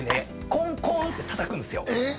コンコンってたたくんですよ。